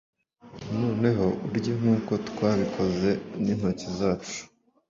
noneho urye nkuko twabikoze, n'intoki zacu